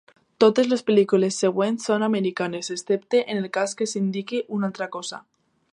Totes les pel·lícules següents són americanes, excepte en el cas que s'indiqui una altra cosa.